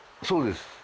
そうです。